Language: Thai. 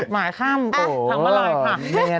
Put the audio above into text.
อะทำอร่อยค่ะมากมากมากมาก